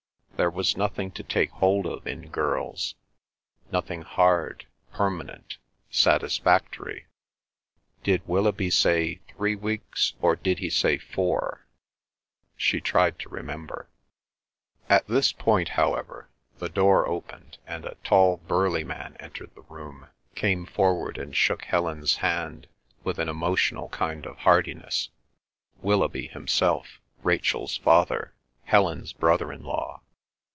There was nothing to take hold of in girls—nothing hard, permanent, satisfactory. Did Willoughby say three weeks, or did he say four? She tried to remember. At this point, however, the door opened and a tall burly man entered the room, came forward and shook Helen's hand with an emotional kind of heartiness, Willoughby himself, Rachel's father, Helen's brother in law.